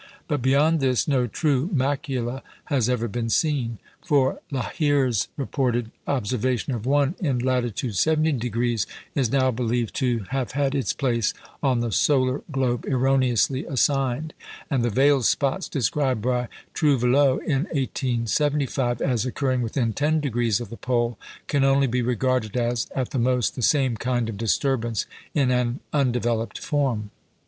But beyond this no true macula has ever been seen; for Lahire's reported observation of one in latitude 70° is now believed to have had its place on the solar globe erroneously assigned; and the "veiled spots" described by Trouvelot in 1875 as occurring within 10° of the pole can only be regarded as, at the most, the same kind of disturbance in an undeveloped form.